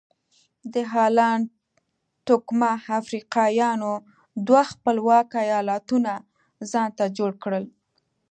د هالنډ توکمه افریقایانو دوه خپلواک ایالتونه ځانته جوړ کړل.